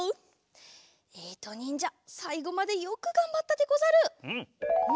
えいとにんじゃさいごまでよくがんばったでござる。